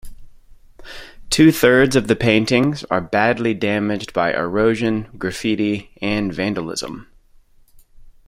Two-thirds of the paintings are badly damaged by erosion, graffiti, and vandalism.